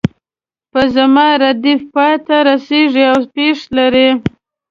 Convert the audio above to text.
په زما ردیف پای ته رسیږي او پیښ لري.